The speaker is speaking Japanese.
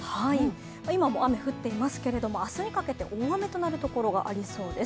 今も雨降っていてますけれども明日にかけて大雨となるところがありそうです。